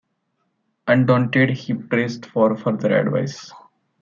Undaunted he pressed for a further advance.